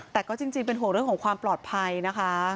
แต่ก็จริงเป็นห่วงเรื่องของความปลอดภัยนะคะ